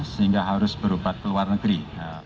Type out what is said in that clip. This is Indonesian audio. sehingga harus berobat ke luar negeri